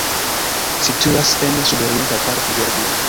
Situas en sudorienta parto de regiono.